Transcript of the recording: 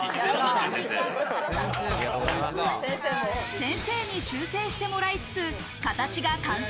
先生に修正してもらいつつ、形が完成。